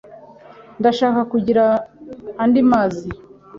Ndashaka kugira andi mazi.